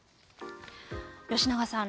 吉永さん